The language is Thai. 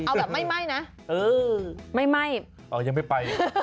เอาแบบไม่ไหม้นะไม่ไหม้อ้าวยังไม่ไป